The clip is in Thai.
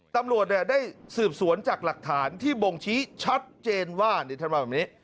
ตำรวจสืบสวนจากหลักฐานที่บ่งชี้แบบนี้